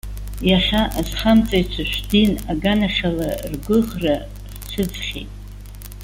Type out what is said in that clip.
Иахьа, азхамҵаҩцәа шәдин аганахьала ргәыӷра рцәыӡхьеит.